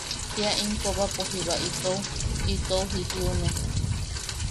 Kia im kobapo jiba itou... itou jijiune.